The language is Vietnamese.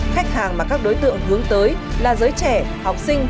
khách hàng mà các đối tượng hướng tới là giới trẻ học sinh